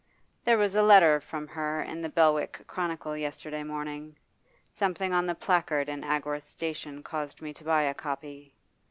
'There was a letter from her in the "Belwick Chronicle" yesterday morning Something on the placard in Agworth station caused me to buy a copy.